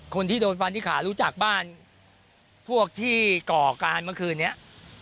คนที่โดนฟันที่ขารู้จักบ้านพวกที่ก่อการเมื่อคืนนี้